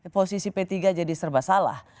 posisi p tiga jadi serba salah